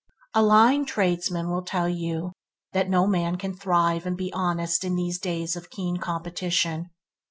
A lying tradesman will tell you that no man can thrive and be honest in these days of keen competition.